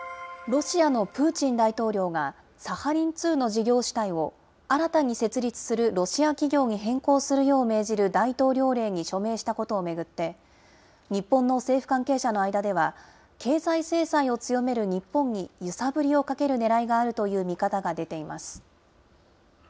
ロシアのプーチン大統領が、サハリン２の事業主体を新たに設立するロシア企業に変更するよう命じる大統領令に署名したことを巡って、日本の政府関係者の間では、経済制裁を強める日本に揺さぶりをかけるねらいがあるという見方が出ています。